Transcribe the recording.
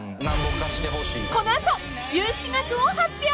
［この後融資額を発表］